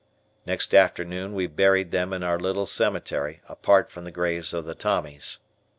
Next afternoon we buried them in our little cemetery apart from the graves of the Tommies.